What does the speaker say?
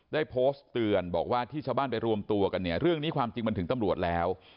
ได้โพสต์เตือนบอกว่าที่ชาวบ้านไปรวมตัวกันเนี่ยเรื่องนี้ความจริงมันถึงตำรวจแล้ว